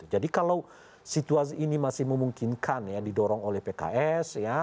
jadi kalau situasi ini masih memungkinkan ya didorong oleh pks ya